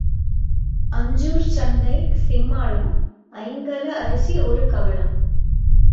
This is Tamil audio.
அஞ்சூர்ச் சண்டை சிம்மாளம் ஐங்கல அரிசி ஒரு கவளம்.